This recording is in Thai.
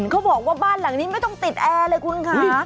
เขาบอกว่าบ้านหลังนี้ไม่ต้องติดแอร์เลยคุณค่ะ